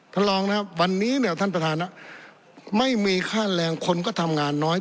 ท่านรองนะครับวันนี้เนี่ยท่านประธานไม่มีค่าแรงคนก็ทำงานน้อย